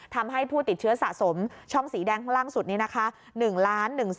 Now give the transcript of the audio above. ทำให้ผู้ติดเชื้อสะสมช่องสีแดงข้างล่างสุดนี้นะคะ